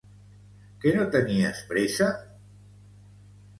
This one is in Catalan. Que no tenies pressa?